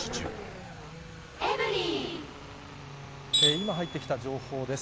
今入ってきた情報です。